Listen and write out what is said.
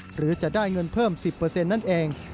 หรือจะได้เงินเพิ่ม๑๐นั่นเอง